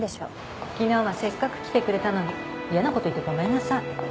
昨日はせっかく来てくれたのに嫌なこと言ってごめんなさい。